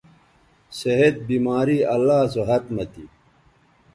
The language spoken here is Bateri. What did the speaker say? صحت، بیماری اللہ سو ھت مہ تھی